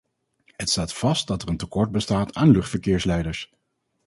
Het staat vast dat er een tekort bestaat aan luchtverkeersleiders.